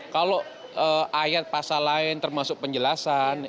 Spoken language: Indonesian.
kalau ayat pasal lain termasuk penjelasan